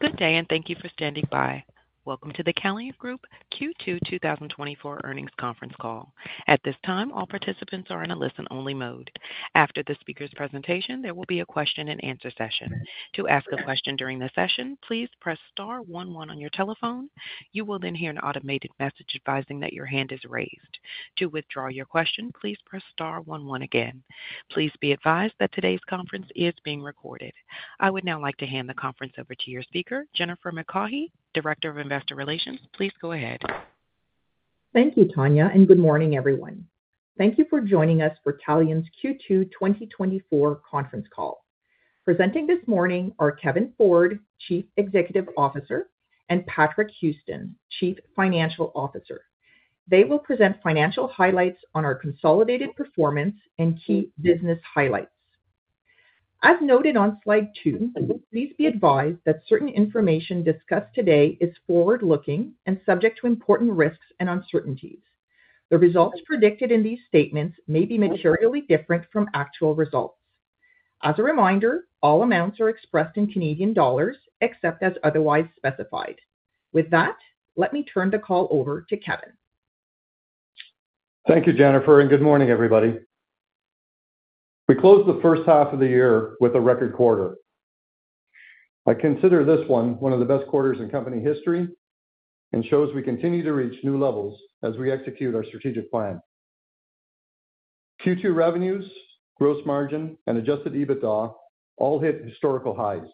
Good day, and thank you for standing by. Welcome to the Calian Group Q2 2024 Earnings Conference Call. At this time, all participants are in a listen-only mode. After the speaker's presentation, there will be a question-and-answer session. To ask a question during the session, please press star one one on your telephone. You will then hear an automated message advising that your hand is raised. To withdraw your question, please press star one one again. Please be advised that today's conference is being recorded. I would now like to hand the conference over to your speaker, Jennifer McCaughey, Director of Investor Relations. Please go ahead. Thank you, Tanya, and good morning, everyone. Thank you for joining us for Calian's Q2 2024 conference call. Presenting this morning are Kevin Ford, Chief Executive Officer, and Patrick Houston, Chief Financial Officer. They will present financial highlights on our consolidated performance and key business highlights. As noted on slide two, please be advised that certain information discussed today is forward-looking and subject to important risks and uncertainties. The results predicted in these statements may be materially different from actual results. As a reminder, all amounts are expressed in Canadian dollars, except as otherwise specified. With that, let me turn the call over to Kevin. Thank you, Jennifer, and good morning, everybody. We closed the first half of the year with a record quarter. I consider this one, one of the best quarters in company history and shows we continue to reach new levels as we execute our strategic plan. Q2 revenues, gross margin, and adjusted EBITDA all hit historical highs.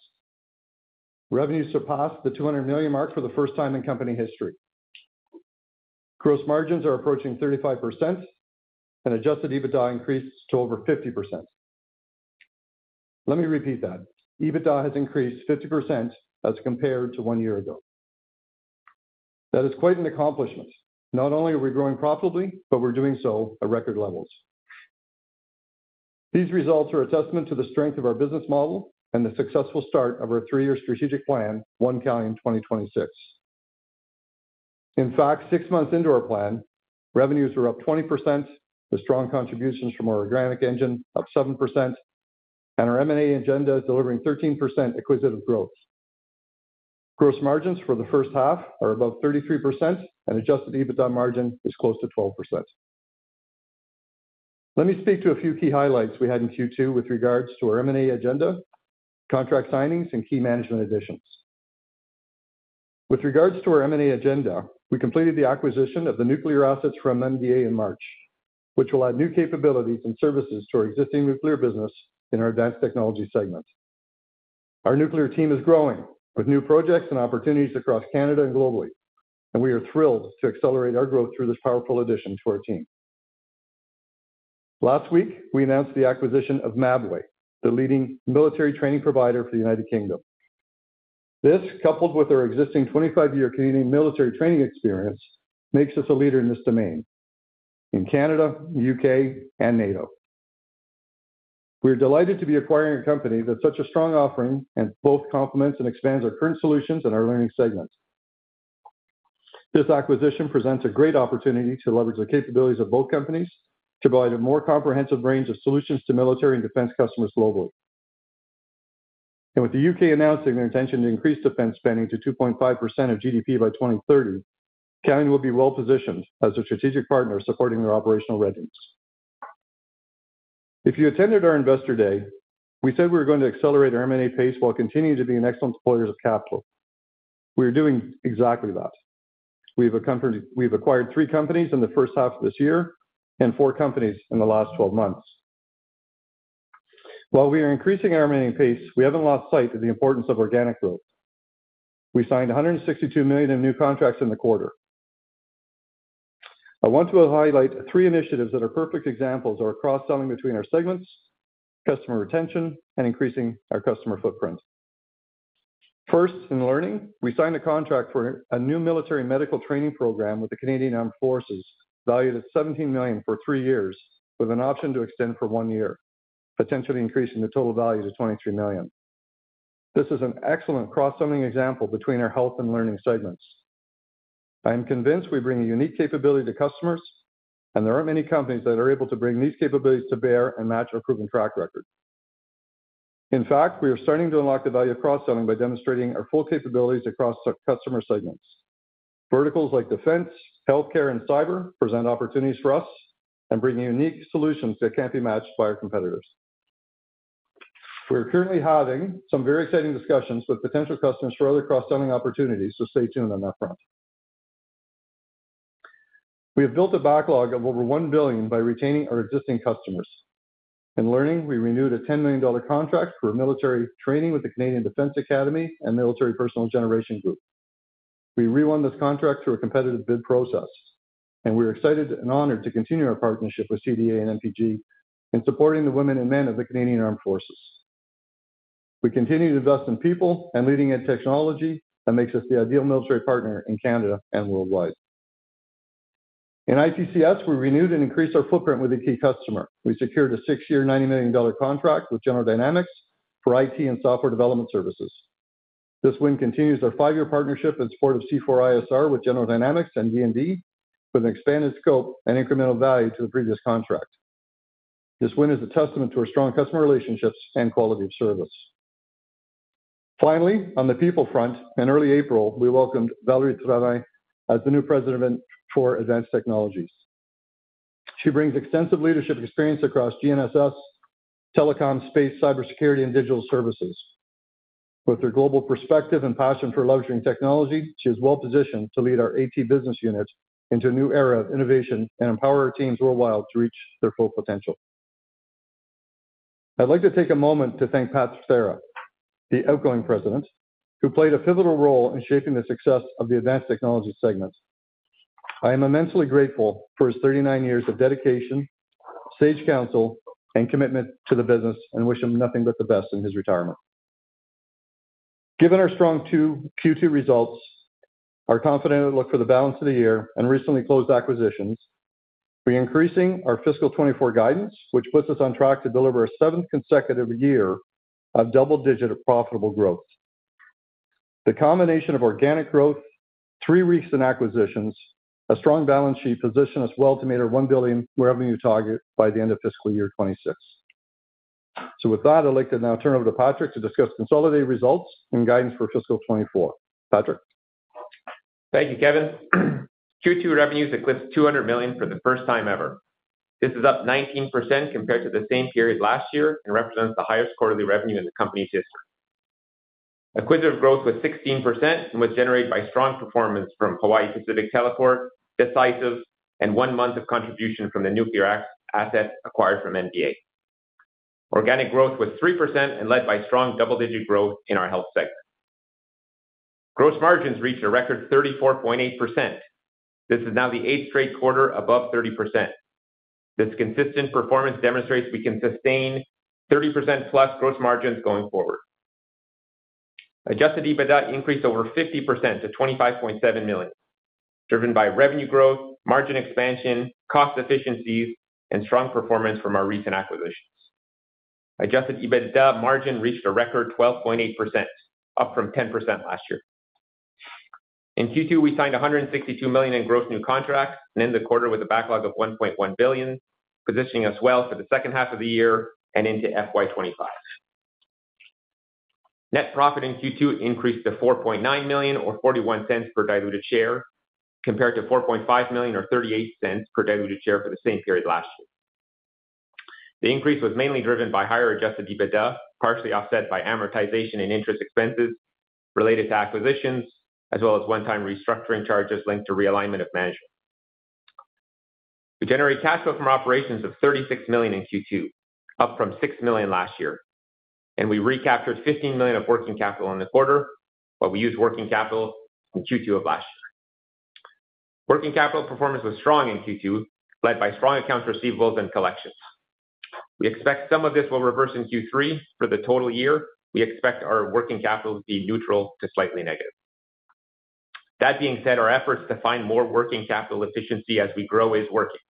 Revenues surpassed the 200 million mark for the first time in company history. Gross margins are approaching 35%, and adjusted EBITDA increased to over 50%. Let me repeat that. EBITDA has increased 50% as compared to one year ago. That is quite an accomplishment. Not only are we growing profitably, but we're doing so at record levels. These results are a testament to the strength of our business model and the successful start of our three-year strategic plan, One Calian 2026. In fact, six months into our plan, revenues are up 20%, with strong contributions from our organic engine up 7%, and our M&A agenda is delivering 13% acquisitive growth. Gross margins for the first half are above 33%, and Adjusted EBITDA margin is close to 12%. Let me speak to a few key highlights we had in Q2 with regards to our M&A agenda, contract signings, and key management additions. With regards to our M&A agenda, we completed the acquisition of the nuclear assets from MDA in March, which will add new capabilities and services to our existing nuclear business in our Advanced Technologies segment. Our nuclear team is growing with new projects and opportunities across Canada and globally, and we are thrilled to accelerate our growth through this powerful addition to our team. Last week, we announced the acquisition of Mabway, the leading military training provider for the United Kingdom. This, coupled with our existing 25-year Canadian military training experience, makes us a leader in this domain in Canada, UK, and NATO. We are delighted to be acquiring a company that's such a strong offering and both complements and expands our current solutions in our Learning segment. This acquisition presents a great opportunity to leverage the capabilities of both companies to provide a more comprehensive range of solutions to military and defense customers globally. And with the UK announcing their intention to increase defense spending to 2.5% of GDP by 2030, Calian will be well-positioned as a strategic partner supporting their operational readiness. If you attended our Investor Day, we said we were going to accelerate our M&A pace while continuing to be an excellent deployer of capital. We are doing exactly that. We've acquired three companies in the first half of this year and four companies in the last 12 months. While we are increasing our M&A pace, we haven't lost sight of the importance of organic growth. We signed 162 million in new contracts in the quarter. I want to highlight three initiatives that are perfect examples of our cross-selling between our segments, customer retention, and increasing our customer footprint. First, in Learning, we signed a contract for a new military medical training program with the Canadian Armed Forces, valued at 17 million for three years, with an option to extend for one year, potentially increasing the total value to 23 million. This is an excellent cross-selling example between our Health and Learning segments. I am convinced we bring a unique capability to customers, and there aren't many companies that are able to bring these capabilities to bear and match our proven track record. In fact, we are starting to unlock the value of cross-selling by demonstrating our full capabilities across our customer segments. Verticals like defense, healthcare, and cyber present opportunities for us and bring unique solutions that can't be matched by our competitors. We are currently having some very exciting discussions with potential customers for other cross-selling opportunities, so stay tuned on that front. We have built a backlog of over 1 billion by retaining our existing customers. In learning, we renewed a 10 million dollar contract for military training with the Canadian Defence Academy and Military Personnel Generation Group. We renewed this contract through a competitive bid process, and we are excited and honored to continue our partnership with CDA and MPG in supporting the women and men of the Canadian Armed Forces. We continue to invest in people and leading-edge technology that makes us the ideal military partner in Canada and worldwide. In ITCS, we renewed and increased our footprint with a key customer. We secured a six-year, 90 million dollar contract with General Dynamics for IT and software development services. This win continues our five-year partnership in support of C4ISR with General Dynamics and DND, with an expanded scope and incremental value to the previous contract. This win is a testament to our strong customer relationships and quality of service. Finally, on the people front, in early April, we welcomed Valerie Travain Milinkovic as the new president of Advanced Technologies. She brings extensive leadership experience across GNSS, telecom, space, cybersecurity, and digital services. With her global perspective and passion for leveraging technology, she is well-positioned to lead our AT business unit into a new era of innovation and empower our teams worldwide to reach their full potential. I'd like to take a moment to thank Pat Thera, the outgoing president, who played a pivotal role in shaping the success of the advanced technologies segment. I am immensely grateful for his 39 years of dedication, sage counsel, and commitment to the business, and wish him nothing but the best in his retirement. Given our strong 2Q results, our confident look for the balance of the year, and recently closed acquisitions, we're increasing our fiscal 2024 guidance, which puts us on track to deliver a seventh consecutive year of double-digit profitable growth. The combination of organic growth, three recent acquisitions, a strong balance sheet position us well to meet our 1 billion revenue target by the end of fiscal year 2026. With that, I'd like to now turn over to Patrick to discuss consolidated results and guidance for fiscal 2024. Patrick? Thank you, Kevin. Q2 revenues eclipsed 200 million for the first time ever. This is up 19% compared to the same period last year and represents the highest quarterly revenue in the company's history. Acquisitive growth was 16% and was generated by strong performance from Hawaii Pacific Teleport, Decisive, and one month of contribution from the nuclear asset acquired from MDA. Organic growth was 3% and led by strong double-digit growth in our Health sector. Gross margins reached a record 34.8%. This is now the eighth straight quarter above 30%. This consistent performance demonstrates we can sustain 30% plus gross margins going forward. Adjusted EBITDA increased over 50% to 25.7 million, driven by revenue growth, margin expansion, cost efficiencies, and strong performance from our recent acquisitions. Adjusted EBITDA margin reached a record 12.8%, up from 10% last year. In Q2, we signed 162 million in gross new contracts, and ended the quarter with a backlog of 1.1 billion, positioning us well for the second half of the year and into FY 2025. Net profit in Q2 increased to 4.9 million, or 0.41 per diluted share, compared to 4.5 million or 0.38 per diluted share for the same period last year. The increase was mainly driven by higher adjusted EBITDA, partially offset by amortization and interest expenses related to acquisitions, as well as one-time restructuring charges linked to realignment of management. We generated cash flow from operations of 36 million in Q2, up from 6 million last year, and we recaptured 15 million of working capital in the quarter, but we used working capital in Q2 of last year. Working capital performance was strong in Q2, led by strong accounts receivables and collections. We expect some of this will reverse in Q3. For the total year, we expect our working capital to be neutral to slightly negative. That being said, our efforts to find more working capital efficiency as we grow is working.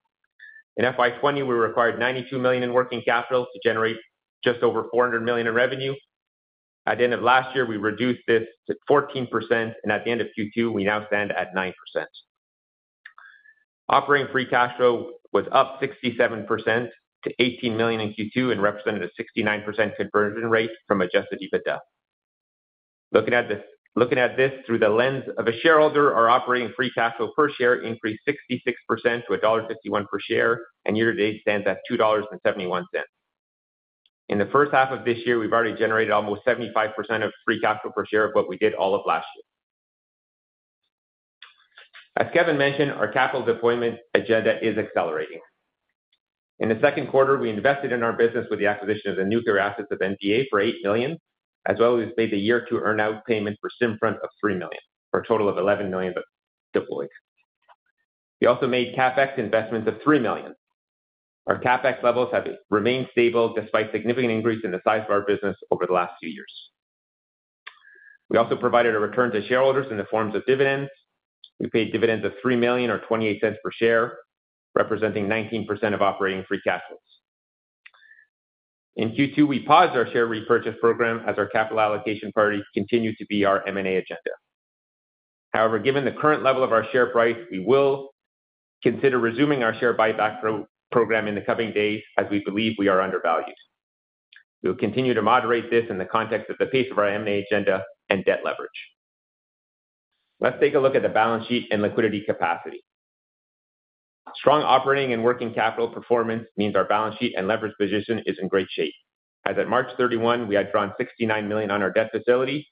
In FY 2020, we required 92 million in working capital to generate just over 400 million in revenue. At the end of last year, we reduced this to 14%, and at the end of Q2, we now stand at 9%. Operating free cash flow was up 67% to 18 million in Q2 and represented a 69% conversion rate from adjusted EBITDA. Looking at this, looking at this through the lens of a shareholder, our operating free cash flow per share increased 66% to dollar 1.51 per share, and year to date stands at 2.71 dollars. In the first half of this year, we've already generated almost 75% of free cash flow per share of what we did all of last year. As Kevin mentioned, our capital deployment agenda is accelerating. In the second quarter, we invested in our business with the acquisition of the nuclear assets of MDA for 8 million, as well as made the year two earn out payment for SimFront of 3 million, for a total of 11 million deployed. We also made CapEx investments of 3 million. Our CapEx levels have remained stable despite significant increase in the size of our business over the last few years. We also provided a return to shareholders in the forms of dividends. We paid dividends of 3 million or 0.28 per share, representing 19% of operating free cash flows. In Q2, we paused our share repurchase program as our capital allocation priority continued to be our M&A agenda. However, given the current level of our share price, we will consider resuming our share buyback program in the coming days, as we believe we are undervalued. We'll continue to moderate this in the context of the pace of our M&A agenda and debt leverage. Let's take a look at the balance sheet and liquidity capacity. Strong operating and working capital performance means our balance sheet and leverage position is in great shape. As at March 31, we had drawn 69 million on our debt facility.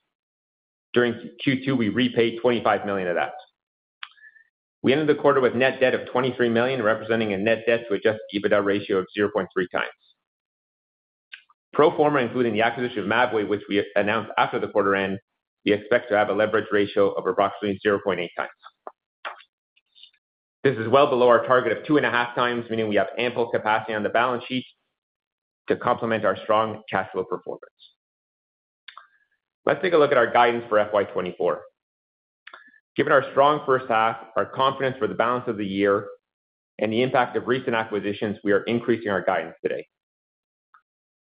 During Q2, we repaid 25 million of that. We ended the quarter with net debt of 23 million, representing a net debt to adjusted EBITDA ratio of 0.3 times. Pro forma, including the acquisition of Mabway, which we announced after the quarter end, we expect to have a leverage ratio of approximately 0.8 times. This is well below our target of 2.5 times, meaning we have ample capacity on the balance sheet to complement our strong cash flow performance. Let's take a look at our guidance for FY 2024. Given our strong first half, our confidence for the balance of the year, and the impact of recent acquisitions, we are increasing our guidance today.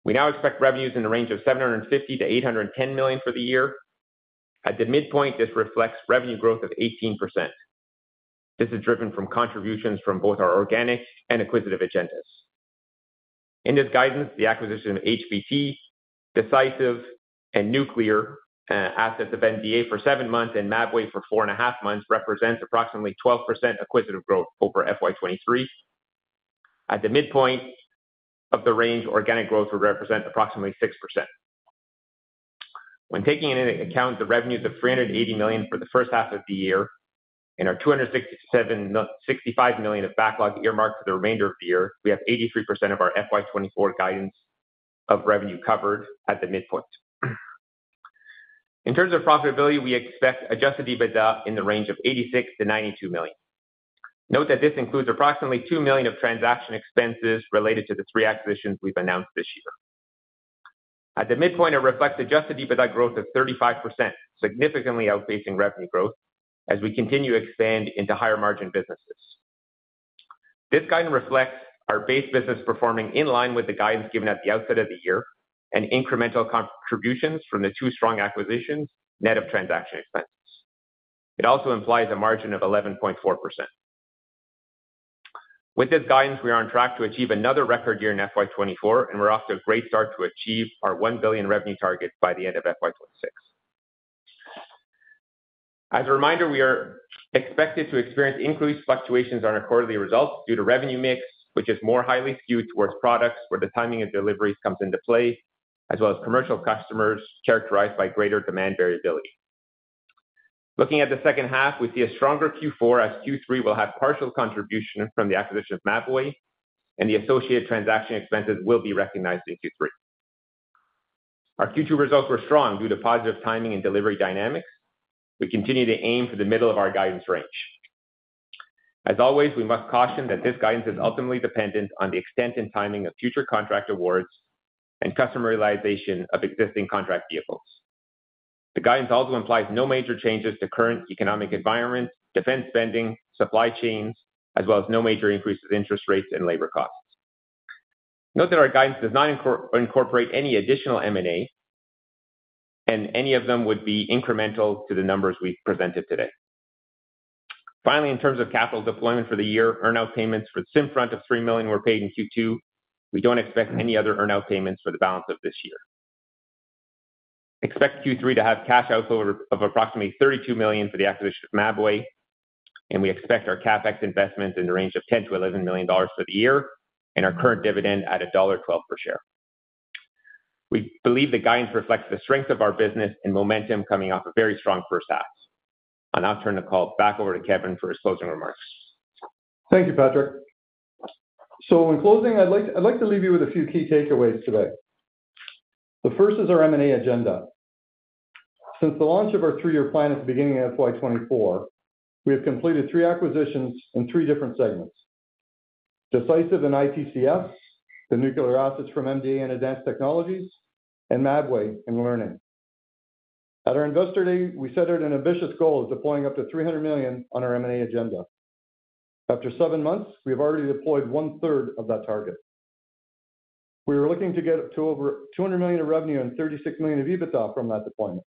We now expect revenues in the range of 750 million-810 million for the year. At the midpoint, this reflects revenue growth of 18%. This is driven from contributions from both our organic and acquisitive agendas. In this guidance, the acquisition of HPT, Decisive, and Nuclear assets of MDA for seven months and Mabway for four and a half months, represents approximately 12% acquisitive growth over FY 2023. At the midpoint of the range, organic growth would represent approximately 6%. When taking into account the revenues of 380 million for the first half of the year and our 267.65 million of backlog earmarked for the remainder of the year, we have 83% of our FY 2024 guidance of revenue covered at the midpoint. In terms of profitability, we expect adjusted EBITDA in the range of 86 million-92 million. Note that this includes approximately 2 million of transaction expenses related to the 3 acquisitions we've announced this year. At the midpoint, it reflects adjusted EBITDA growth of 35%, significantly outpacing revenue growth as we continue to expand into higher-margin businesses. This guidance reflects our base business performing in line with the guidance given at the outset of the year and incremental contributions from the two strong acquisitions, net of transaction expenses. It also implies a margin of 11.4%. With this guidance, we are on track to achieve another record year in FY 2024, and we're off to a great start to achieve our 1 billion revenue target by the end of FY 2026. As a reminder, we are expected to experience increased fluctuations on our quarterly results due to revenue mix, which is more highly skewed towards products where the timing of deliveries comes into play, as well as commercial customers characterized by greater demand variability. Looking at the second half, we see a stronger Q4, as Q3 will have partial contribution from the acquisition of Mabway, and the associated transaction expenses will be recognized in Q3. Our Q2 results were strong due to positive timing and delivery dynamics. We continue to aim for the middle of our guidance range. As always, we must caution that this guidance is ultimately dependent on the extent and timing of future contract awards and customer realization of existing contract vehicles. The guidance also implies no major changes to current economic environment, defense spending, supply chains, as well as no major increases in interest rates and labor costs. Note that our guidance does not incorporate any additional M&A, and any of them would be incremental to the numbers we've presented today. Finally, in terms of capital deployment for the year, earn out payments for the SimFront of 3 million were paid in Q2. We don't expect any other earn out payments for the balance of this year. Expect Q3 to have cash outflow of approximately 32 million for the acquisition of Mabway, and we expect our CapEx investments in the range of 10 million-11 million dollars for the year and our current dividend at dollar 1.12 per share. We believe the guidance reflects the strength of our business and momentum coming off a very strong first half. I'll now turn the call back over to Kevin for his closing remarks. Thank you, Patrick. So in closing, I'd like, I'd like to leave you with a few key takeaways today. The first is our M&A agenda. Since the launch of our three-year plan at the beginning of FY 2024, we have completed 3 acquisitions in 3 different segments. Decisive and ITCS, the nuclear assets from MDA and Advanced Technologies, and Mabway in learning. At our Investor Day, we set out an ambitious goal of deploying up to 300 million on our M&A agenda. After seven months, we have already deployed one-third of that target. We were looking to get to over 200 million of revenue and 36 million of EBITDA from that deployment.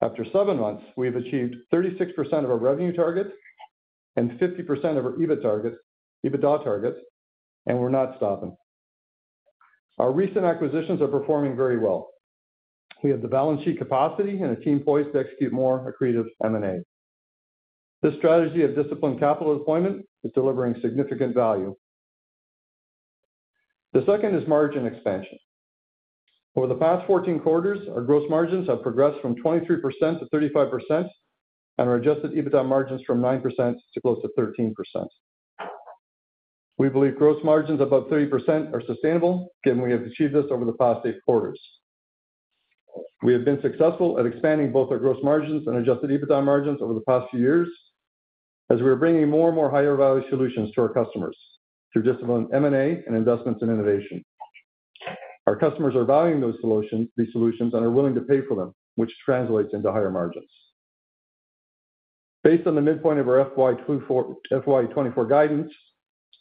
After seven months, we have achieved 36% of our revenue target and 50% of our EBIT target -- EBITDA target, and we're not stopping. Our recent acquisitions are performing very well. We have the balance sheet capacity and a team poised to execute more accretive M&A. This strategy of disciplined capital deployment is delivering significant value. The second is margin expansion. Over the past 14 quarters, our gross margins have progressed from 23% to 35% and our Adjusted EBITDA margins from 9% to close to 13%. We believe gross margins above 30% are sustainable, and we have achieved this over the past 8 quarters. We have been successful at expanding both our gross margins and Adjusted EBITDA margins over the past few years as we are bringing more and more higher-value solutions to our customers through disciplined M&A and investments in innovation. Our customers are valuing those solutions, these solutions and are willing to pay for them, which translates into higher margins. Based on the midpoint of our FY 2024, FY 2024 guidance,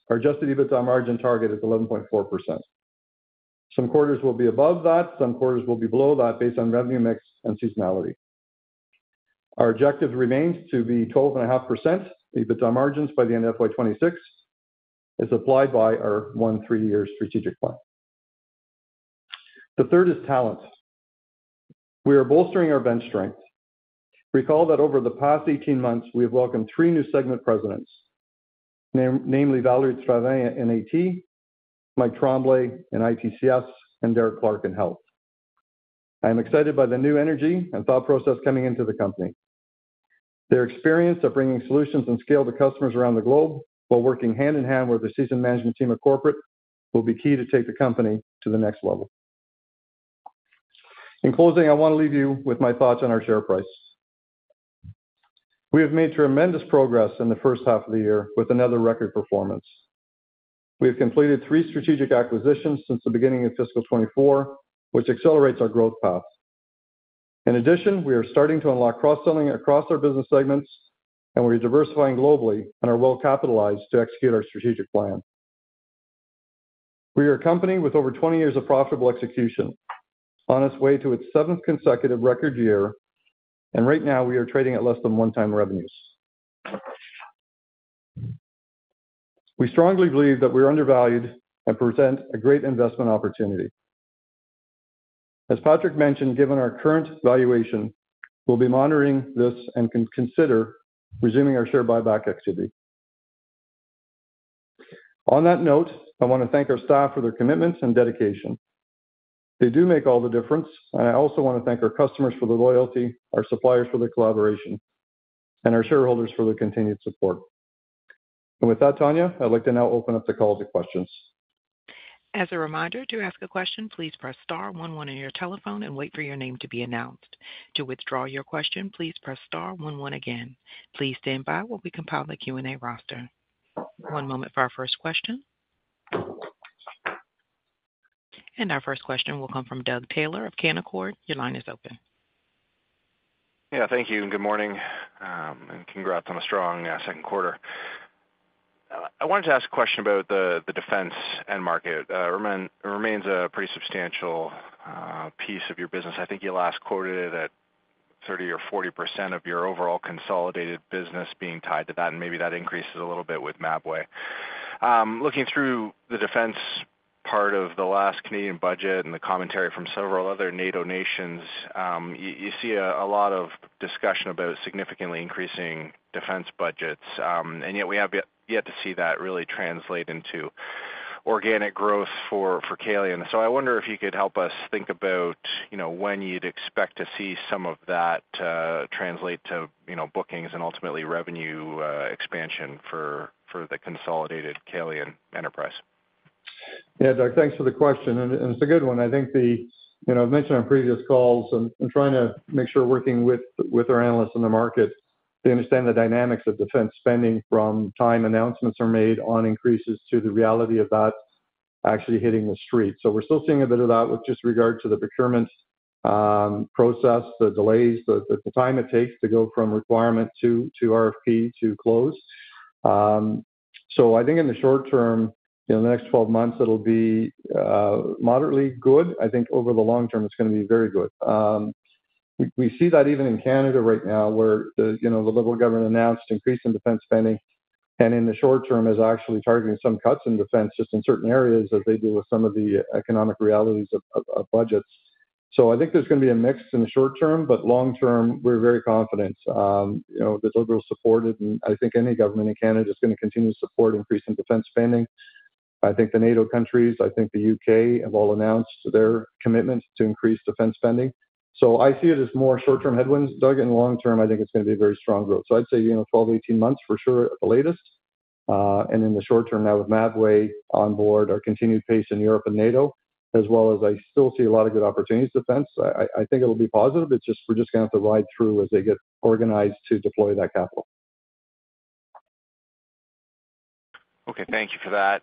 our adjusted EBITDA margin target is 11.4%. Some quarters will be above that, some quarters will be below that based on revenue mix and seasonality. Our objective remains to be 12.5% EBITDA margins by the end of FY 2026, as applied by our One Calian three-year strategic plan. The third is talent. We are bolstering our bench strength. Recall that over the past 18 months, we have welcomed three new segment presidents, namely, Valerie Travain in AT, Michael Tremblay in ITCS, and Derek Clark in Health. I am excited by the new energy and thought process coming into the company. Their experience of bringing solutions and scale to customers around the globe, while working hand in hand with the seasoned management team at corporate, will be key to take the company to the next level. In closing, I want to leave you with my thoughts on our share price. We have made tremendous progress in the first half of the year with another record performance. We have completed three strategic acquisitions since the beginning of fiscal 2024, which accelerates our growth path.... In addition, we are starting to unlock cross-selling across our business segments, and we are diversifying globally and are well capitalized to execute our strategic plan. We are a company with over 20 years of profitable execution, on its way to its seventh consecutive record year, and right now we are trading at less than 1x revenues. We strongly believe that we are undervalued and present a great investment opportunity. As Patrick mentioned, given our current valuation, we'll be monitoring this and consider resuming our share buyback activity. On that note, I want to thank our staff for their commitments and dedication. They do make all the difference, and I also want to thank our customers for their loyalty, our suppliers for their collaboration, and our shareholders for their continued support. With that, Tanya, I'd like to now open up the call to questions. As a reminder, to ask a question, please press star one one on your telephone and wait for your name to be announced. To withdraw your question, please press star one one again. Please stand by while we compile the Q&A roster. One moment for our first question. Our first question will come from Doug Taylor of Canaccord. Your line is open. Yeah, thank you, and good morning, and congrats on a strong second quarter. I wanted to ask a question about the defense end market. It remains a pretty substantial piece of your business. I think you last quoted it at 30% or 40% of your overall consolidated business being tied to that, and maybe that increases a little bit with Mabway. Looking through the defense part of the last Canadian budget and the commentary from several other NATO nations, you see a lot of discussion about significantly increasing defense budgets. And yet we have yet to see that really translate into organic growth for Calian. I wonder if you could help us think about, you know, when you'd expect to see some of that translate to, you know, bookings and ultimately revenue expansion for the consolidated Calian enterprise? Yeah, Doug, thanks for the question, and it's a good one. I think the... You know, I've mentioned on previous calls and trying to make sure working with our analysts in the market, they understand the dynamics of defense spending from time announcements are made on increases to the reality of that actually hitting the street. So we're still seeing a bit of that with just regard to the procurement process, the delays, the time it takes to go from requirement to RFP to close. So I think in the short term, in the next 12 months, it'll be moderately good. I think over the long term, it's gonna be very good. We see that even in Canada right now, where the, you know, the Liberal government announced increase in defense spending, and in the short term is actually targeting some cuts in defense just in certain areas as they deal with some of the economic realities of budgets. So I think there's gonna be a mix in the short term, but long term, we're very confident. You know, the Liberals supported, and I think any government in Canada is gonna continue to support increasing defense spending. I think the NATO countries, I think the UK, have all announced their commitments to increase defense spending. So I see it as more short-term headwinds, Doug. In the long term, I think it's gonna be a very strong growth. So I'd say, you know, 12-18 months for sure, at the latest. And in the short term, now with Mabway on board, our continued pace in Europe and NATO, as well as I still see a lot of good opportunities in defense. I think it will be positive. It's just, we're just gonna have to ride through as they get organized to deploy that capital. Okay, thank you for that.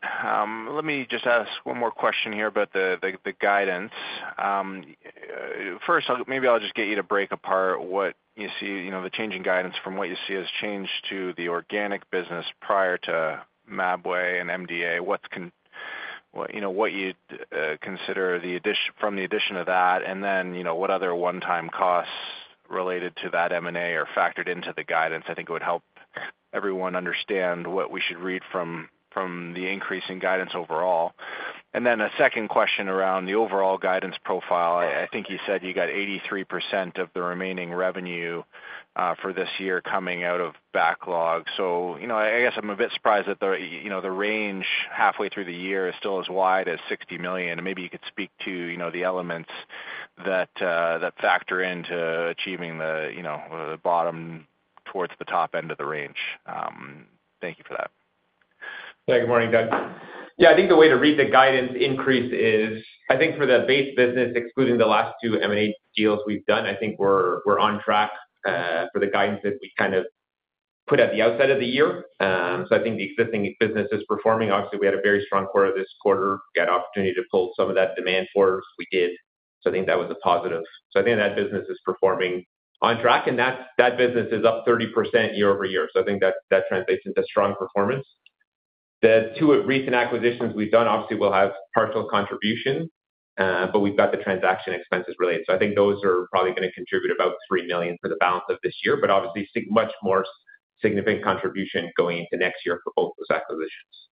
Let me just ask one more question here about the guidance. First, maybe I'll just get you to break apart what you see, you know, the change in guidance from what you see has changed to the organic business prior to Mabway and MDA. What's, you know, what you'd consider the additional from the addition of that, and then, you know, what other one-time costs related to that M&A are factored into the guidance? I think it would help everyone understand what we should read from the increase in guidance overall. And then a second question around the overall guidance profile. I think you said you got 83% of the remaining revenue for this year coming out of backlog. You know, I guess I'm a bit surprised that you know, the range halfway through the year is still as wide as 60 million, and maybe you could speak to you know, the elements that that factor into achieving you know, the bottom towards the top end of the range. Thank you for that. Yeah, good morning, Doug. Yeah, I think the way to read the guidance increase is, I think for the base business, excluding the last two M&A deals we've done, I think we're on track for the guidance that we kind of put at the outset of the year. So I think the existing business is performing. Obviously, we had a very strong quarter this quarter, got an opportunity to pull some of that demand forward. We did. So I think that was a positive. So I think that business is performing on track, and that business is up 30% year-over-year. So I think that translates into strong performance. The two recent acquisitions we've done obviously will have partial contribution, but we've got the transaction expenses related. So I think those are probably gonna contribute about 3 million for the balance of this year, but obviously, much more significant contribution going into next year for both those acquisitions.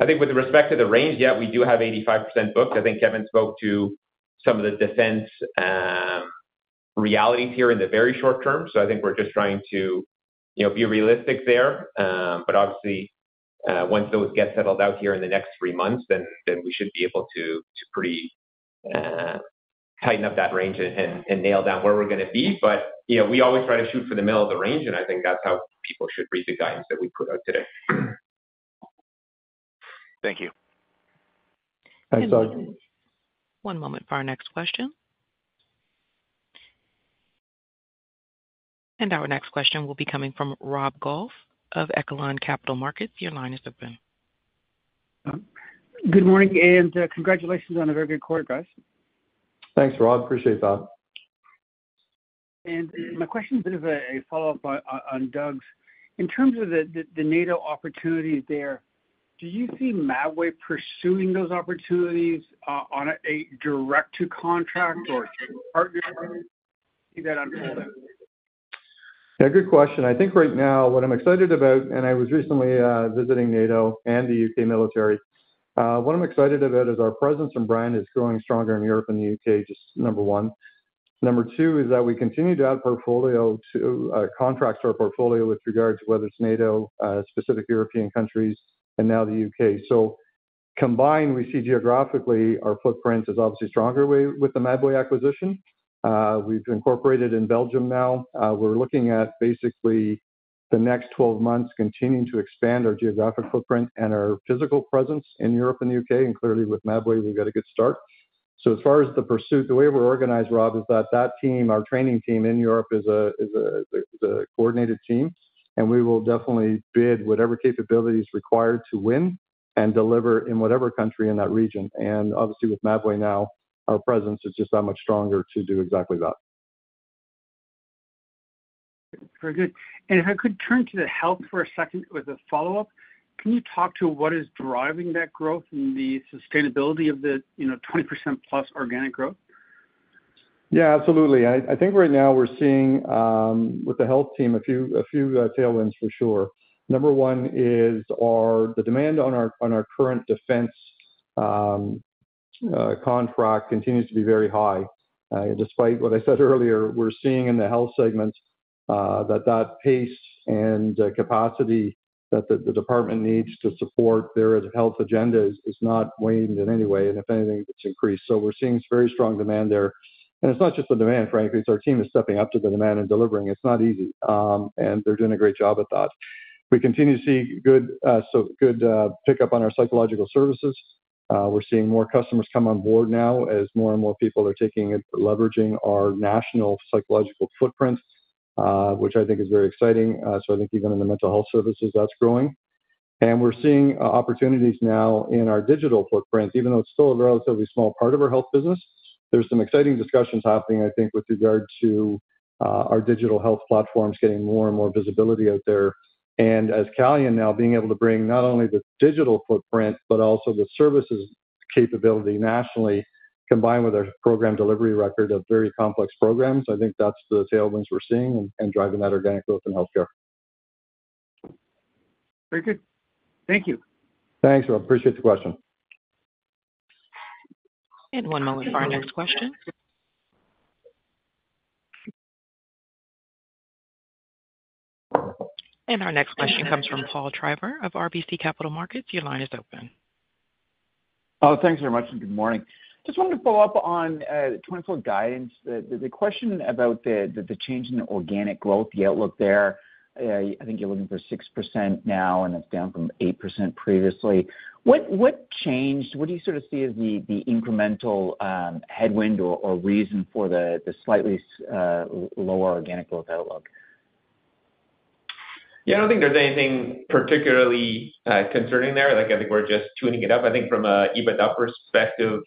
I think with respect to the range, yeah, we do have 85% booked. I think Kevin spoke to some of the defense realities here in the very short term, so I think we're just trying to, you know, be realistic there. But obviously, once those get settled out here in the next three months, then we should be able to pretty tighten up that range and nail down where we're gonna be. But, you know, we always try to shoot for the middle of the range, and I think that's how people should read the guidance that we put out today. Thank you. Thanks, Doug. One moment for our next question. Our next question will be coming from Rob Goff of Echelon Capital Markets. Your line is open. Good morning, and congratulations on a very good quarter, guys. Thanks, Rob. Appreciate that. My question is a bit of a follow-up on Doug's. In terms of the NATO opportunities there, do you see Mabway pursuing those opportunities on a direct-to-contract or partnership that unfolded? Yeah, good question. I think right now, what I'm excited about, and I was recently visiting NATO and the UK military. What I'm excited about is our presence and brand is growing stronger in Europe and the UK, just number one. Number two is that we continue to add portfolio to contracts to our portfolio with regards to whether it's NATO specific European countries, and now the UK. So combined, we see geographically, our footprint is obviously stronger way with the Mabway acquisition. We've incorporated in Belgium now. We're looking at basically the next 12 months, continuing to expand our geographic footprint and our physical presence in Europe and the UK, and clearly with Mabway, we've got a good start. So as far as the pursuit, the way we're organized, Rob, is that team, our training team in Europe, is the coordinated team, and we will definitely bid whatever capability is required to win and deliver in whatever country in that region. And obviously with Mabway now, our presence is just that much stronger to do exactly that. Very good. If I could turn to the health for a second with a follow-up. Can you talk to what is driving that growth and the sustainability of the, you know, 20%+ organic growth? Yeah, absolutely. I think right now we're seeing, with the health team, a few tailwinds for sure. Number one is, our the demand on our, on our current defense contract continues to be very high. Despite what I said earlier, we're seeing in the health segment, that that pace and capacity that the department needs to support their health agenda is not waned in any way. And if anything, it's increased. So we're seeing very strong demand there. And it's not just the demand, frankly, it's our team is stepping up to the demand and delivering. It's not easy, and they're doing a great job at that. We continue to see good, so good pickup on our psychological services. We're seeing more customers come on board now as more and more people are taking it, leveraging our national psychological footprint, which I think is very exciting. So I think even in the mental health services, that's growing. And we're seeing opportunities now in our digital footprint, even though it's still a relatively small part of our health business. There's some exciting discussions happening, I think, with regard to our digital health platforms getting more and more visibility out there. And as Calian now being able to bring not only the digital footprint, but also the services capability nationally, combined with our program delivery record of very complex programs, I think that's the tailwinds we're seeing and, and driving that organic growth in healthcare. Very good. Thank you. Thanks, Rob. Appreciate the question. One moment for our next question. Our next question comes from Paul Treiber of RBC Capital Markets. Your line is open. Oh, thanks very much, and good morning. Just wanted to follow up on the 2024 guidance. The question about the change in the organic growth, the outlook there, I think you're looking for 6% now, and it's down from 8% previously. What changed? What do you sort of see as the incremental headwind or reason for the slightly lower organic growth outlook? Yeah, I don't think there's anything particularly concerning there. Like, I think we're just tuning it up. I think from an EBITDA perspective,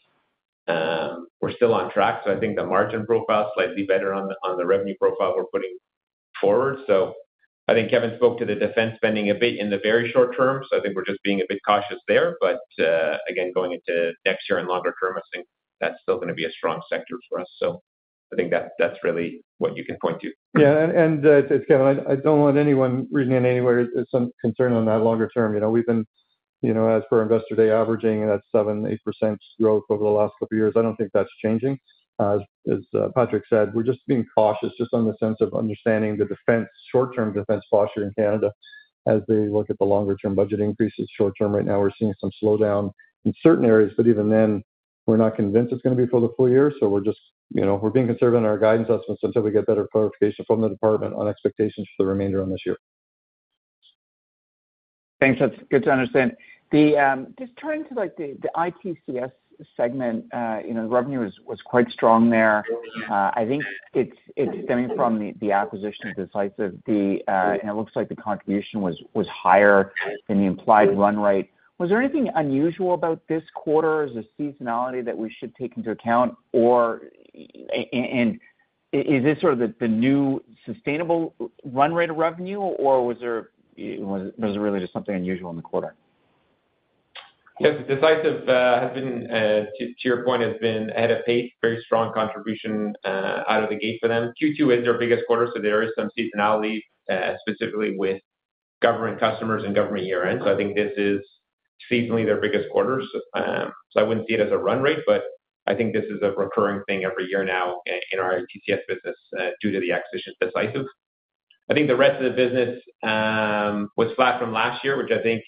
we're still on track, so I think the margin profile is slightly better on the revenue profile we're putting forward. So I think Kevin spoke to the defense spending a bit in the very short term, so I think we're just being a bit cautious there. But again, going into next year and longer term, I think that's still gonna be a strong sector for us. So I think that, that's really what you can point to. Yeah, it's Kevin. I don't want anyone reading it anywhere. There's some concern on that longer term. You know, we've been, you know, as for Investor Day, averaging 7%-8% growth over the last couple of years. I don't think that's changing. As Patrick said, we're just being cautious just on the sense of understanding the defense short-term defense posture in Canada as they look at the longer term budget increases. Short-term, right now, we're seeing some slowdown in certain areas, but even then, we're not convinced it's gonna be for the full year. So we're just, you know, we're being conservative in our guidance until we get better clarification from the department on expectations for the remainder of this year. Thanks. That's good to understand. Just turning to, like, the ITCS segment, you know, revenue was quite strong there. I think it's stemming from the acquisition of Decisive, and it looks like the contribution was higher than the implied run rate. Was there anything unusual about this quarter as a seasonality that we should take into account? Or is this sort of the new sustainable run rate of revenue, or was there, was it really just something unusual in the quarter? Yes, Decisive has been, to your point, has been at a pace, very strong contribution out of the gate for them. Q2 is their biggest quarter, so there is some seasonality, specifically with government customers and government year-end. So I think this is seasonally their biggest quarters. So I wouldn't see it as a run rate, but I think this is a recurring thing every year now in our TCS business, due to the acquisition of Decisive. I think the rest of the business was flat from last year, which I think,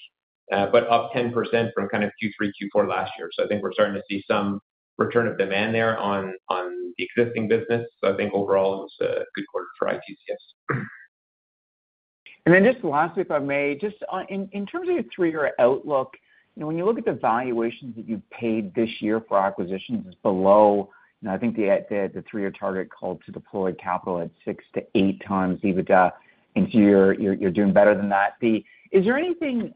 but up 10% from kind of Q3, Q4 last year. So I think we're starting to see some return of demand there on the existing business. So I think overall, it was a good quarter for ITCS.... And then just lastly, if I may, just, in terms of your three-year outlook, you know, when you look at the valuations that you've paid this year for acquisitions is below, you know, I think the three-year target called to deploy capital at 6-8 times EBITDA. I think you're doing better than that. The -- is there anything,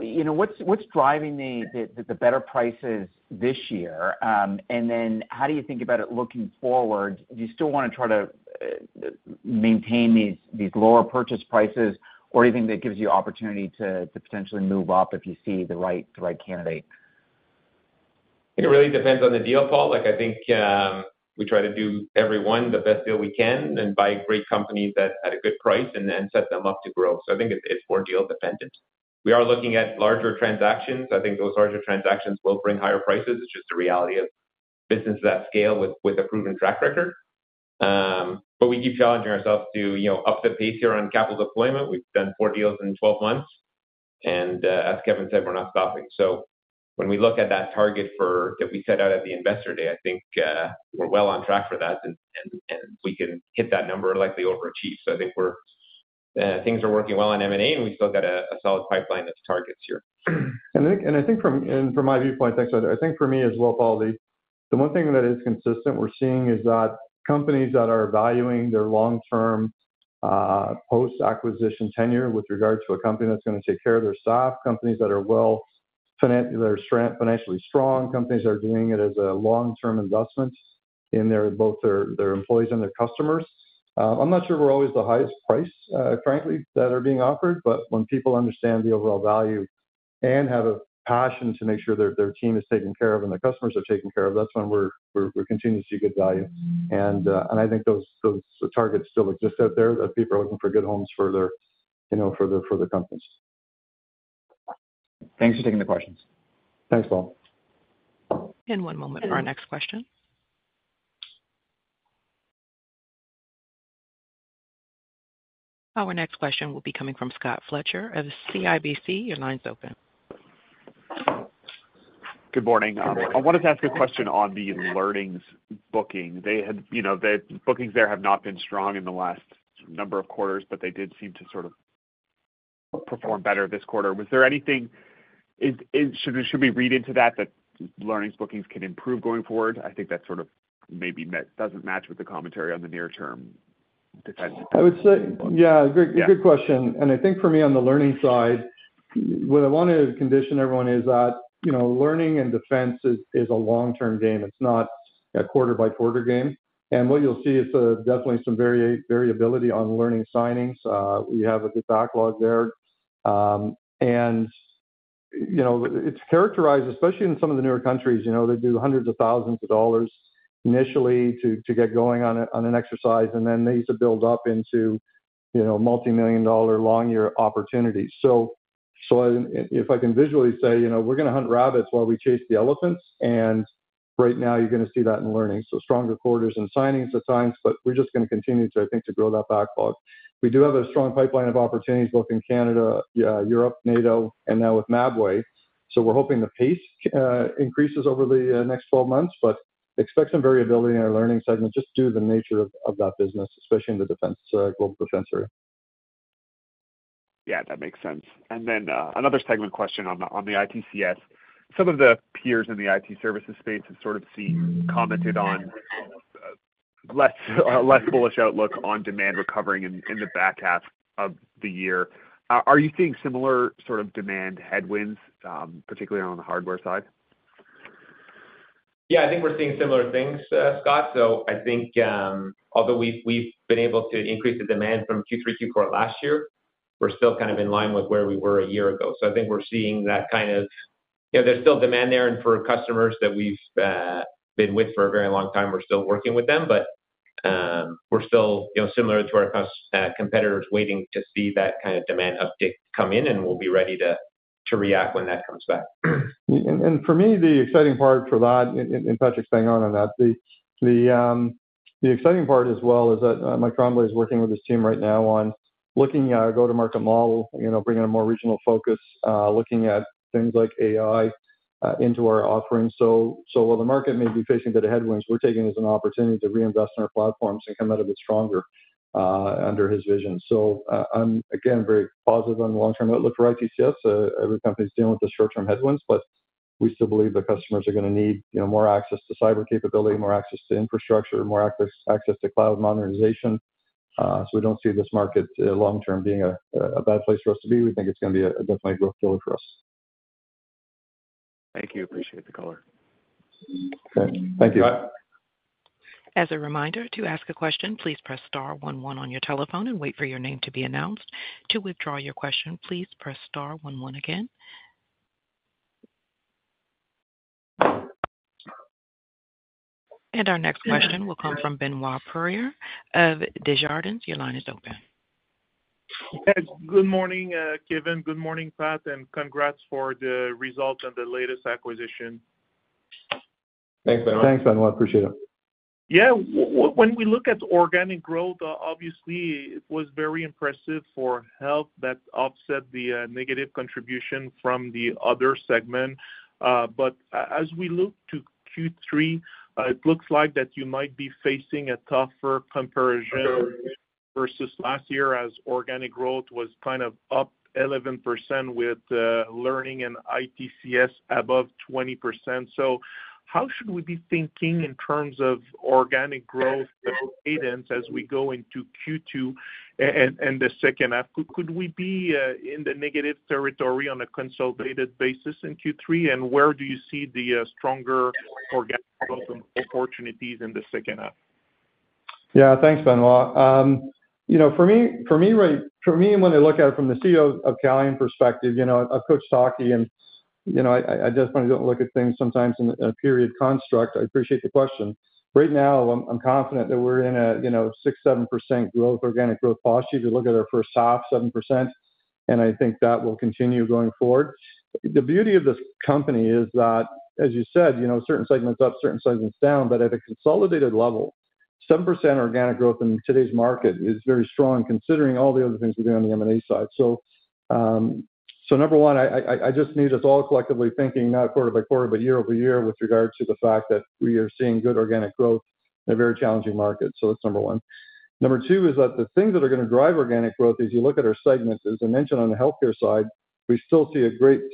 you know, what's driving the better prices this year? And then how do you think about it looking forward? Do you still want to try to maintain these lower purchase prices, or do you think that gives you opportunity to potentially move up if you see the right candidate? I think it really depends on the deal, Paul. Like, I think, we try to do everyone the best deal we can and buy great companies at, at a good price and then set them up to grow. So I think it's more deal dependent. We are looking at larger transactions. I think those larger transactions will bring higher prices. It's just the reality of businesses that scale with, with a proven track record. But we keep challenging ourselves to, you know, up the pace here on capital deployment. We've done 4 deals in 12 months, and, as Kevin said, we're not stopping. So when we look at that target that we set out at the Investor Day, I think, we're well on track for that, and, and, and we can hit that number, likely overachieve. So I think we're things are working well on M&A, and we've still got a solid pipeline of targets here. I think from my viewpoint, thanks, I think for me as well, Paul, the one thing that is consistent we're seeing is that companies that are valuing their long-term post-acquisition tenure with regards to a company that's going to take care of their staff, companies that are well financially strong, companies that are doing it as a long-term investment in their both their employees and their customers. I'm not sure we're always the highest price frankly that are being offered, but when people understand the overall value and have a passion to make sure their team is taken care of and their customers are taken care of, that's when we're continuing to see good value. I think those targets still exist out there, that people are looking for good homes for their, you know, for their companies. Thanks for taking the questions. Thanks, Paul. One moment for our next question. Our next question will be coming from Scott Fletcher of CIBC. Your line's open. Good morning. Good morning. I wanted to ask a question on the learnings booking. They had -- you know, the bookings there have not been strong in the last number of quarters, but they did seem to sort of perform better this quarter. Was there anything... should we read into that, that learnings bookings can improve going forward? I think that sort of maybe doesn't match with the commentary on the near term. I would say, yeah, great. Yeah. Good question. I think for me, on the learning side, what I want to condition everyone is that, you know, learning and defense is a long-term game. It's not a quarter-by-quarter game. What you'll see is definitely some variability on learning signings. We have a good backlog there. And, you know, it's characterized, especially in some of the newer countries, you know, they do hundreds of thousands of CAD initially to get going on an exercise, and then they used to build up into, you know, multi-million CAD long-term opportunities. So, if I can visually say, you know, we're going to hunt rabbits while we chase the elephants, and right now you're going to see that in learning. So stronger quarters and signings at times, but we're just going to continue to, I think, build that backlog. We do have a strong pipeline of opportunities both in Canada, Europe, NATO, and now with Mabway. So we're hoping the pace increases over the next 12 months, but expect some variability in our learning segment, just due to the nature of that business, especially in the defense global defense area. Yeah, that makes sense. Then, another segment question on the ITCS. Some of the peers in the IT services space have sort of seen, commented on less bullish outlook on demand recovering in the back half of the year. Are you seeing similar sort of demand headwinds, particularly on the hardware side? Yeah, I think we're seeing similar things, Scott. So I think, although we've, we've been able to increase the demand from Q3 to Q4 last year, we're still kind of in line with where we were a year ago. So I think we're seeing that kind of... You know, there's still demand there, and for customers that we've been with for a very long time, we're still working with them. But, we're still, you know, similar to our competitors, waiting to see that kind of demand uptick come in, and we'll be ready to, to react when that comes back. For me, the exciting part for that, and Patrick staying on that, the exciting part as well is that Michael Tremblay is working with his team right now on looking at our go-to-market model, you know, bringing a more regional focus, looking at things like AI into our offerings. So while the market may be facing a bit of headwinds, we're taking this as an opportunity to reinvest in our platforms and come out a bit stronger under his vision. So I'm again very positive on the long-term outlook for ITCS. Every company's dealing with the short-term headwinds, but we still believe the customers are going to need, you know, more access to cyber capability, more access to infrastructure, more access to cloud modernization. So we don't see this market, long term being a bad place for us to be. We think it's going to be a definitely growth killer for us. Thank you. Appreciate the call. Okay. Thank you. Bye. As a reminder, to ask a question, please press star one one on your telephone and wait for your name to be announced. To withdraw your question, please press star one one again. Our next question will come from Benoit Poirier of Desjardins. Your line is open. Good morning, Kevin. Good morning, Pat, and congrats for the results and the latest acquisition. Thanks, Benoit. Thanks, Benoit. Appreciate it. Yeah. When we look at organic growth, obviously it was very impressive for health. That offset the negative contribution from the other segment. But as we look to Q3, it looks like that you might be facing a tougher comparison-... versus last year as organic growth was kind of up 11% with learning and ITCS above 20%. So how should we be thinking in terms of organic growth cadence as we go into Q2 and the second half? Could we be in the negative territory on a consolidated basis in Q3? And where do you see the stronger organic growth opportunities in the second half? Yeah, thanks, Benoit. You know, for me, for me, right, for me, when I look at it from the CEO of Calian perspective, you know, I've coached hockey and, you know, I just kind of don't look at things sometimes in a period construct. I appreciate the question. Right now, I'm confident that we're in a, you know, 6%-7% growth, organic growth posture. If you look at our first half, 7%, and I think that will continue going forward. The beauty of this company is that, as you said, you know, certain segments up, certain segments down, but at a consolidated level, 7% organic growth in today's market is very strong, considering all the other things we do on the M&A side. So number one, I just need us all collectively thinking, not quarter by quarter, but year over year, with regards to the fact that we are seeing good organic growth in a very challenging market. So that's number one. Number two is that the things that are gonna drive organic growth, as you look at our segments, as I mentioned on the healthcare side, we still see a great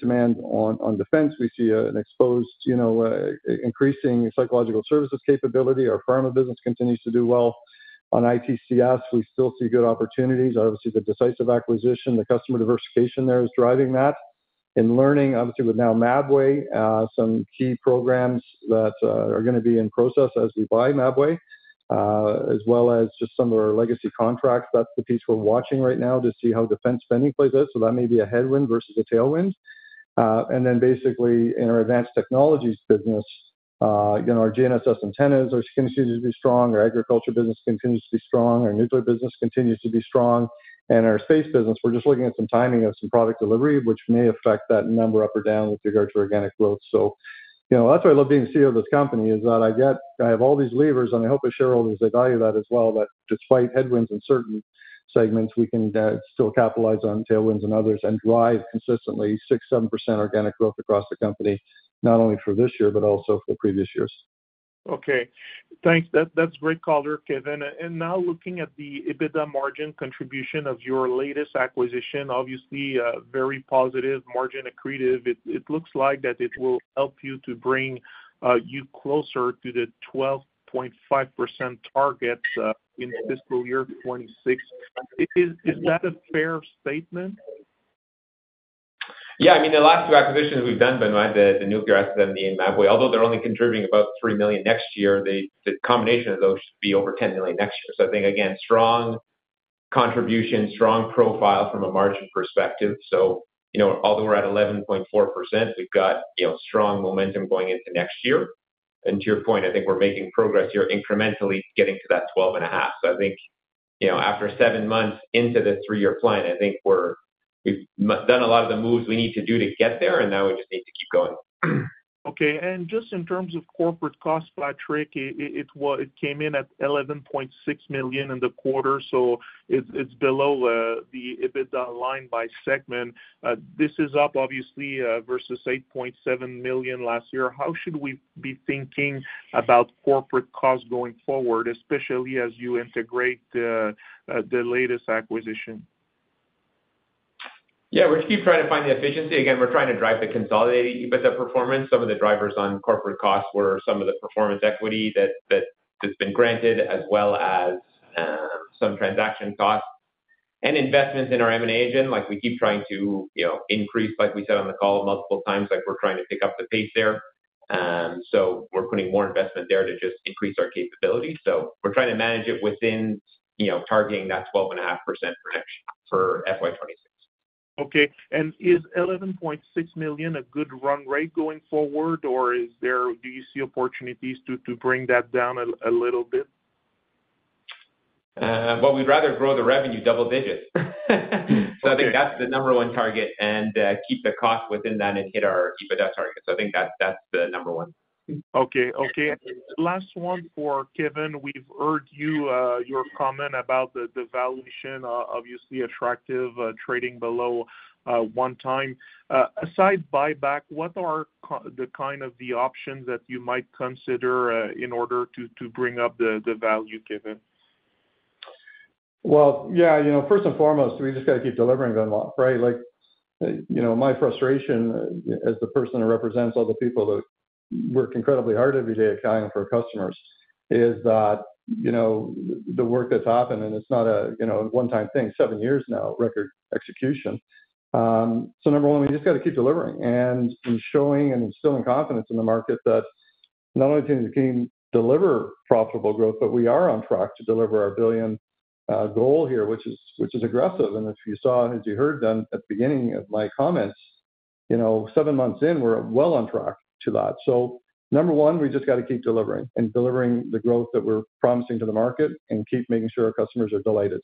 demand on defense. We see an exposed, you know, increasing psychological services capability. Our pharma business continues to do well. On ITCS, we still see good opportunities. Obviously, the Decisive acquisition, the customer diversification there is driving that. In learning, obviously, with now Mabway, some key programs that are gonna be in process as we buy Mabway, as well as just some of our legacy contracts. That's the piece we're watching right now to see how defense spending plays out. So that may be a headwind versus a tailwind. And then basically in our Advanced Technologies business, you know, our GNSS antennas are continuing to be strong, our agriculture business continues to be strong, our nuclear business continues to be strong, and our space business, we're just looking at some timing of some product delivery, which may affect that number up or down with regard to organic growth. So, you know, that's why I love being CEO of this company, is that I get, I have all these levers, and I hope as shareholders, they value that as well. That despite headwinds in certain segments, we can still capitalize on tailwinds and others, and drive consistently 6%-7% organic growth across the company, not only for this year, but also for the previous years. Okay. Thanks. That's great color, Kevin. And now looking at the EBITDA margin contribution of your latest acquisition, obviously very positive margin accretive. It looks like it will help you to bring you closer to the 12.5% target in fiscal year 2026. Is that a fair statement? Yeah, I mean, the last two acquisitions we've done, Benoit, the nuclear assets and the Mabway, although they're only contributing about 3 million next year, the combination of those should be over 10 million next year. So I think, again, strong contribution, strong profile from a margin perspective. So, you know, although we're at 11.4%, we've got, you know, strong momentum going into next year. And to your point, I think we're making progress here, incrementally getting to that 12.5. So I think, you know, after seven months into the three-year plan, I think we've done a lot of the moves we need to do to get there, and now we just need to keep going. Okay. And just in terms of corporate cost, Patrick, it's what it came in at 11.6 million in the quarter, so it's below the EBITDA line by segment. This is up, obviously, versus 8.7 million last year. How should we be thinking about corporate costs going forward, especially as you integrate the latest acquisition? Yeah, we're keep trying to find the efficiency. Again, we're trying to drive the consolidated EBITDA performance. Some of the drivers on corporate costs were some of the performance equity that's been granted, as well as some transaction costs and investments in our M&A engine. Like, we keep trying to, you know, increase, like we said on the call multiple times, like we're trying to pick up the pace there. So we're putting more investment there to just increase our capability. So we're trying to manage it within, you know, targeting that 12.5% projection for FY 2026. Okay. Is 11.6 million a good run rate going forward, or is there, do you see opportunities to bring that down a little bit? Well, we'd rather grow the revenue double digits. So I think that's the number one target, and keep the cost within that and hit our EBITDA target. So I think that's, that's the number one. Okay. Okay, last one for Kevin. We've heard you, your comment about the valuation, obviously attractive, trading below 1 time. Aside buyback, what are the kind of options that you might consider, in order to bring up the value, Kevin? Well, yeah, you know, first and foremost, we just gotta keep delivering Benoit, right? Like, you know, my frustration as the person who represents all the people that work incredibly hard every day at Calian for our customers, is that, you know, the work that's happened, and it's not a, you know, one-time thing, seven years now, record execution. So number one, we just gotta keep delivering and showing and instilling confidence in the market that not only can we deliver profitable growth, but we are on track to deliver our 1 billion goal here, which is, which is aggressive. And if you saw, as you heard then at the beginning of my comments, you know, seven months in, we're well on track to that. So number one, we just gotta keep delivering and delivering the growth that we're promising to the market and keep making sure our customers are delighted.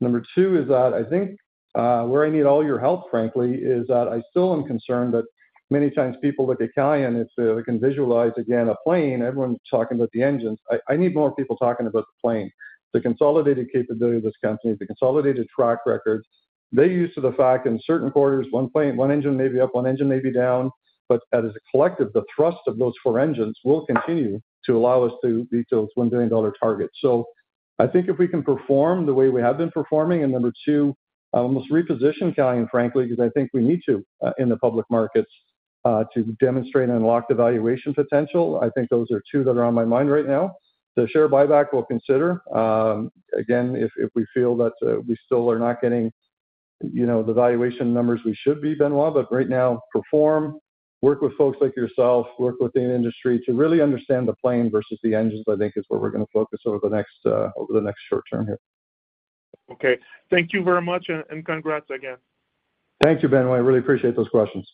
Number two is that I think, where I need all your help, frankly, is that I still am concerned that many times people look at Calian, if they can visualize, again, a plane, everyone's talking about the engines. I, I need more people talking about the plane. The consolidated capability of this company, the consolidated track record, they're used to the fact in certain quarters, one plane, one engine may be up, one engine may be down, but as a collective, the thrust of those four engines will continue to allow us to meet those 1 billion dollar targets. So... I think if we can perform the way we have been performing, and number two, almost reposition Calian, frankly, because I think we need to, in the public markets, to demonstrate and unlock the valuation potential. I think those are two that are on my mind right now. The share buyback we'll consider, again, if, if we feel that, we still are not getting, you know, the valuation numbers we should be, Benoit. But right now, perform, work with folks like yourself, work within industry to really understand the plane versus the engines, I think is where we're gonna focus over the next, over the next short term here. Okay, thank you very much, and congrats again. Thank you, Benoit. I really appreciate those questions.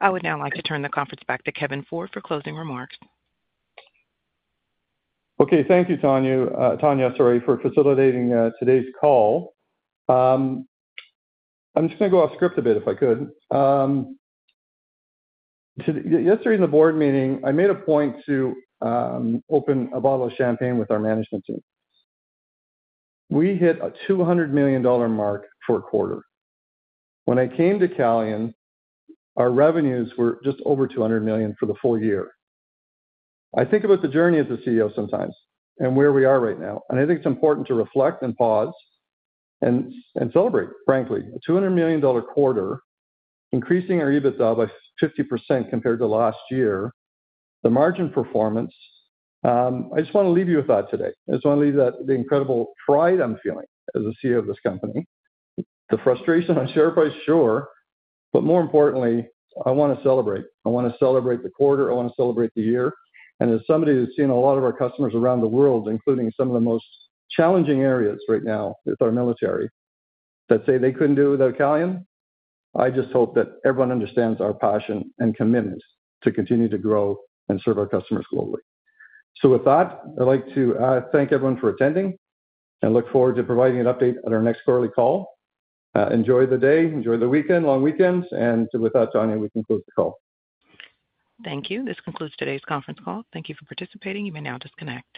I would now like to turn the conference back to Kevin Ford for closing remarks. Okay, thank you, Tanya, Tanya, sorry for facilitating today's call. I'm just gonna go off script a bit, if I could. Yesterday in the board meeting, I made a point to open a bottle of champagne with our management team. We hit a 200 million dollar mark for a quarter. When I came to Calian, our revenues were just over 200 million for the full year. I think about the journey as a CEO sometimes and where we are right now, and I think it's important to reflect and pause and, and celebrate, frankly. A 200 million dollar quarter, increasing our EBITDA by 50% compared to last year, the margin performance, I just want to leave you with that today. I just want to leave that, the incredible pride I'm feeling as the CEO of this company. The frustration on share price, sure, but more importantly, I want to celebrate. I want to celebrate the quarter, I want to celebrate the year. As somebody who's seen a lot of our customers around the world, including some of the most challenging areas right now with our military, that say they couldn't do it without Calian, I just hope that everyone understands our passion and commitment to continue to grow and serve our customers globally. With that, I'd like to thank everyone for attending and look forward to providing an update at our next quarterly call. Enjoy the day, enjoy the weekend, long weekends, and with that, Tanya, we can close the call. Thank you. This concludes today's conference call. Thank you for participating. You may now disconnect.